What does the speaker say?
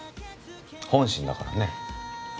本心だからね。